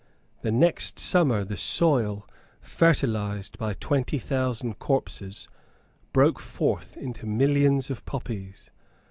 The next summer the soil, fertilised by twenty thousand corpses, broke forth into millions of poppies.